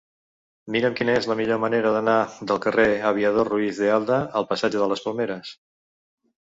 Mira'm quina és la millor manera d'anar del carrer de l'Aviador Ruiz de Alda al passatge de les Palmeres.